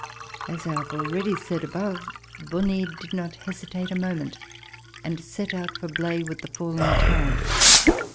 As I have already said above, l^onie did not hesitate a moment and set out for Blaye with the falling tide.